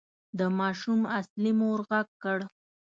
د ماشوم اصلي مور غږ کړ.